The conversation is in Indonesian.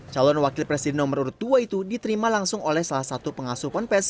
calon wakil presiden nomor urut dua itu diterima langsung oleh salah satu pengasuh ponpes